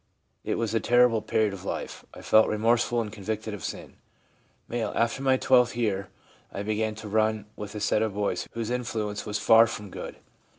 It was a terrible period of life; I felt remorseful and convicted of sin/ M. ' After my twelfth year I began to run with a set of boys whose influence was far from good.